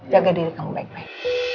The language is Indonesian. jaga diri kamu baik baik